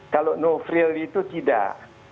kalau no frill itu tidak